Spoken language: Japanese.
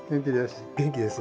元気です。